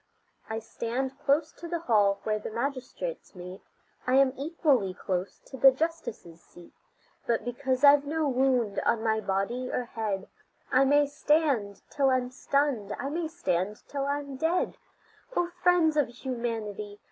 I stand close to the hall where the magistrates meet, I am equally close to the justices' seat; But because I've no wound on my body or head I may stand till I'm stunned, I may stand till I'm dead. O friends of humanity!